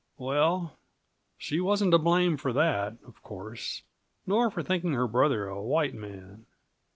Well, she wasn't to blame for that, of course; nor for thinking her brother a white man.